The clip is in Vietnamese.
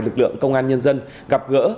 lực lượng công an nhân dân gặp gỡ